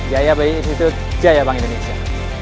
jaya b i institute jaya bank indonesia